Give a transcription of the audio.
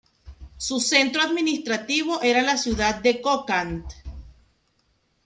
Su centro administrativo era la ciudad de Kokand.